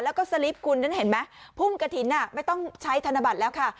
แล้วก็สลิปคุณนั้นเห็นไหมพุ่มกระถิ่นไม่ต้องใช้ธนบัตรแล้วค่ะ